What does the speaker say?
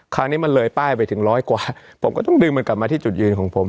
คราวนี้มันเลยป้ายไปถึงร้อยกว่าผมก็ต้องดึงมันกลับมาที่จุดยืนของผม